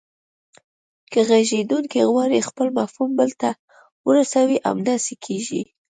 که غږیدونکی غواړي خپل مفهوم بل ته ورسوي همداسې کیږي